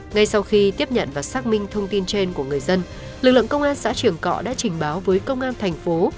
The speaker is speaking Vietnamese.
ngay sau khi tiếp nhận và xác minh thông tin trên của người dân lực lượng công an xã trường cọ đã trình báo với công an thành phố